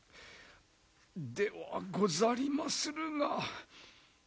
ではござりまするが。